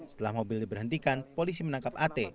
setelah mobil diberhentikan polisi menangkap at